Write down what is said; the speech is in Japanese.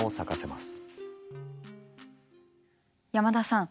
山田さん